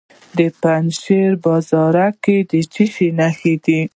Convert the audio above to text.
د پنجشیر په بازارک کې د څه شي نښې دي؟